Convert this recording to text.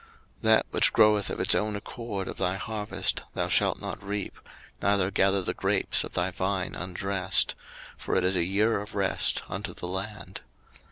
03:025:005 That which groweth of its own accord of thy harvest thou shalt not reap, neither gather the grapes of thy vine undressed: for it is a year of rest unto the land.